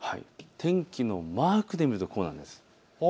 天気のマークで見るとこうなんです。